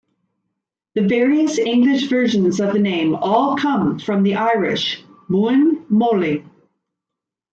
The various English versions of the name all come from the Irish, "Muine Moling".